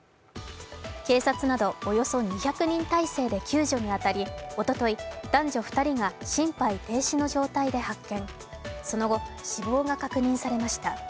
警察などおよそ２００人態勢で救助に当たりおととい、男女２人が心肺停止の状態で発見、その後、死亡が確認されました。